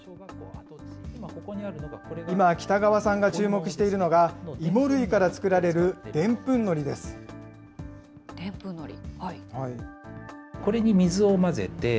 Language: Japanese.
今、北川さんが注目しているのが、イモ類から作られるでんぷんのりででんぷんのり？